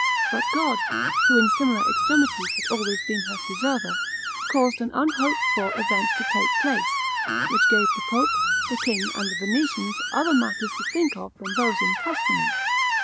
But God, who in similar extremities has always been her preserver, caused an unhoped for event to take place, which gave the pope, the king, and the Venetians other matters to think of than those in Tuscany.